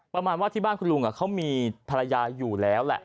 ประมาณว่าที่บ้านคุณลุงเขามีภรรยาอยู่แล้วแหละ